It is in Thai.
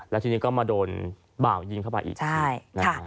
แล้วทีนี้ก็มาโดนบ่าวยิงเข้าไปอีก